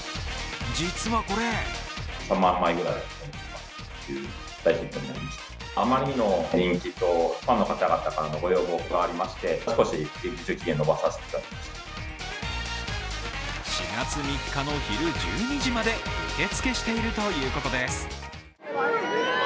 実はこれ４月３日の昼１２時まで受け付けしているということです。